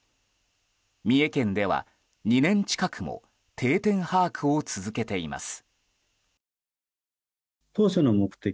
三重県では２年近くも定点把握を続けています。